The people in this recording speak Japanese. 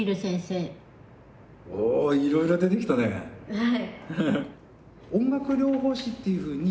はい。